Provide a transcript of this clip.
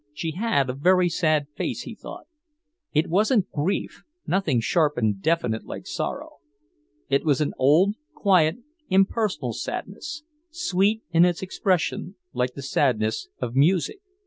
She had a very sad face, he thought; it wasn't grief, nothing sharp and definite like sorrow. It was an old, quiet, impersonal sadness, sweet in its expression, like the sadness of music.